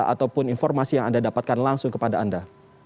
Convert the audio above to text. ataupun informasi yang anda dapatkan langsung kepada anda